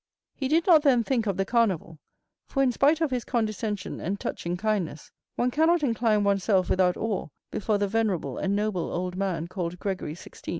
He did not then think of the Carnival, for in spite of his condescension and touching kindness, one cannot incline one's self without awe before the venerable and noble old man called Gregory XVI.